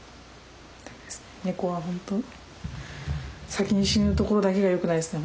猫は本当先に死ぬところだけがよくないですね